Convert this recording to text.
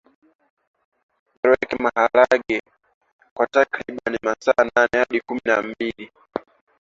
Yaloweke maharagekwa takriban masaa nane hadi kumi na mbili